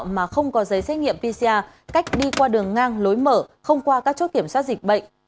mà không có giấy xét nghiệm pcr cách đi qua đường ngang lối mở không qua các chốt kiểm soát dịch bệnh